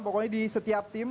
pokoknya di setiap tim